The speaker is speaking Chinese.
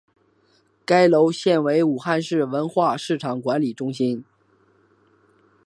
该楼现为武汉市文化市场管理中心。